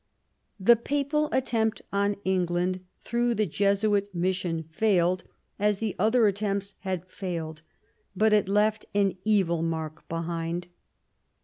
The Papal attempt on England through the Jesuit mission failed as the other attempts had failed; but it left an evil mark behind.